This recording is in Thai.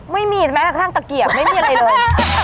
ไม่มีแม้กระทั่งตะเกียบไม่มีอะไรเลย